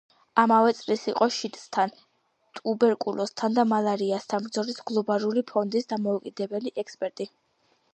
ამავე წელს იყო შიდსთან, ტუბერკულოზთან და მალარიასთან ბრძოლის გლობალური ფონდის დამოუკიდებელი ექსპერტი.